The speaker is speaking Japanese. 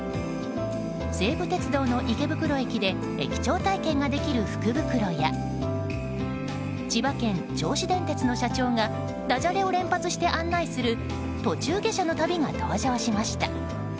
西武鉄道の池袋駅で駅長体験ができる福袋や千葉県・銚子電鉄の社長がダジャレを連発して案内する途中下車の旅が登場しました。